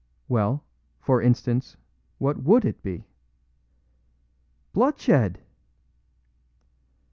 "Well, for instance, what WOULD it be?" "Bloodshed!"